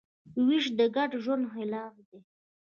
وېش د ګډ ژوند خلاف دی.